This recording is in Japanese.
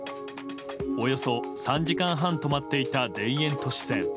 およそ３時間半止まっていた田園都市線。